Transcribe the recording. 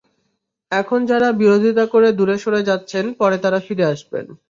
এখন যাঁরা বিরোধিতা করে দূরে সরে যাচ্ছেন, পরে তাঁরা ফিরে আসবেন।